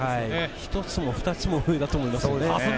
１つも２つも上だと思います。